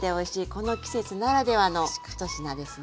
この季節ならではの一品ですね。